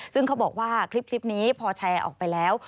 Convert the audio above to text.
ซึ่งเขาบอกว่าคลิปนี้พอแชร์ออกไปแล้ว